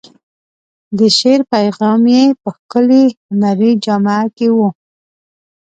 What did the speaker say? د شعر پیغام یې په ښکلې هنري جامه کې و.